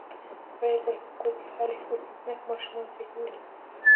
ويل به يې په کور کې هرې ښځې نهه ماشومان زيږولي.